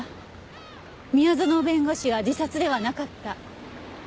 宮園弁護士は自殺ではなかった。